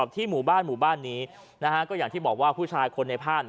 ที่หมู่บ้านหมู่บ้านนี้ก็อย่างที่บอกว่าผู้ชายคนในภาพ